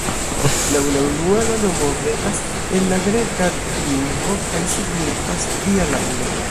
Laŭ la unua la nomo venas el la greka lingvo kaj signifas "Dia lando".